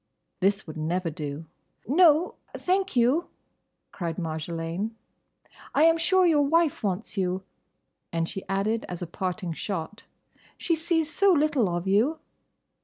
This would never do. "No, thank you," cried Marjolaine, "I am sure your wife wants you." And she added, as a parting shot, "She sees so little of you!"